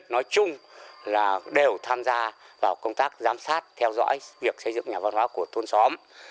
nói chung là đều tham gia vào công tác giám sát theo dõi việc xây dựng nhà văn hóa của thôn xóm